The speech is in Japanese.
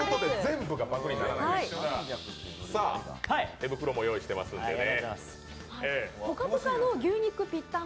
手袋も用意してますんでね。